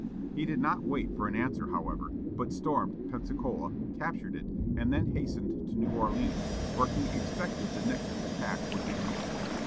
He did not wait for an answer, however, but stormed Pensacola, captured it, and then hastened to New Orleans, where he expected the next attack would be made.